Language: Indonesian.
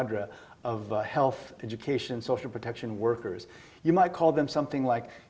dia benar benar memperbaiki